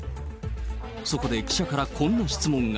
そこで記者からこんな質問が。